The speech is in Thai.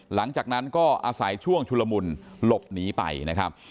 หลังจากนั้นก็อาศัยช่วงชุลมุนหลบหนีไปนะครับ